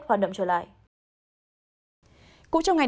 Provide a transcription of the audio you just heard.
hoạt động trở lại